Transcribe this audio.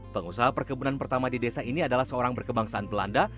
pengusaha perkebunan pertama di desa ini adalah seorang berkebangsaan belanda